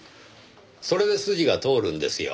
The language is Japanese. それで筋が通るんですよ。